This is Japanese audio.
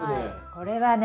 これはね